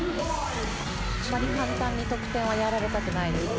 簡単に得点をやられたくないですね。